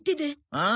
ああ。